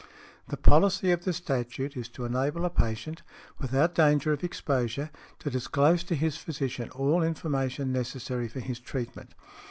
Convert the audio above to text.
The policy of the statute is to enable a patient, without danger of exposure, to disclose to his physician all |96| information necessary for his treatment.